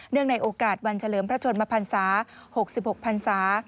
ในโอกาสวันเฉลิมพระชนมพันศา๖๖พันศา